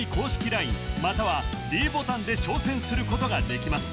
ＬＩＮＥまたはｄボタンで挑戦することができます